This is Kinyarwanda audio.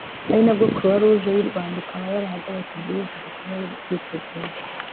ariko nabwo Croix-Rouge y’u Rwanda ikaba yarahagobotse byihuse kuko ihora yiteguye